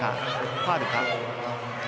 ファウルか。